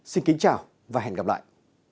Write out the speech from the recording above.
xin kính chào và hẹn gặp lại